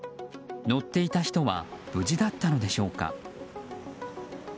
乗っていた人は無事だったのでしょうか。